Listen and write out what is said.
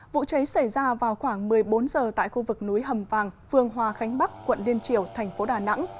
vụ cháy xảy ra vào khoảng một mươi bốn giờ tại khu vực núi hầm vàng phương hòa khánh bắc quận liên triều thành phố đà nẵng